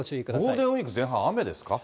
ゴールデンウィーク前半、雨ですか。